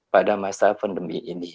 pada masa pandemi ini